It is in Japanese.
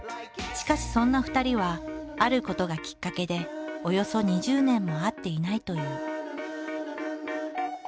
しかしそんな２人はあることがきっかけでおよそ２０年も会っていないという。